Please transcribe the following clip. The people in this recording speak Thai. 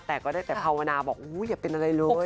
แต่ก็ได้แต่ภาวนาบอกอย่าเป็นอะไรเลย